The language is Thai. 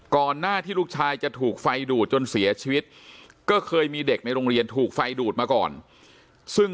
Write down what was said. ก่อนหน้าที่ลูกชายจะถูกไฟดูดจนเสียชีวิตก็เคยมีเด็กในโรงเรียนถูกไฟดูดมาก่อนซึ่ง